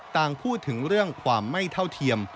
ต่างพูดถึงเรื่องความไม่เท่าเทียม